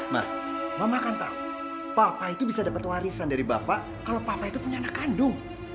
ma mama kan tau papa itu bisa dapet warisan dari bapak kalau papa itu punya anak kandung